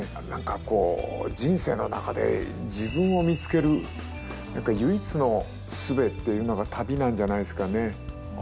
何かこう人生の中で自分を見つける唯一の術っていうのが旅なんじゃないですかね？